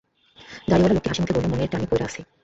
দাড়িওয়ালা লোকটি হাসিমুখে বলল, মনের টানে পইড়া আছি।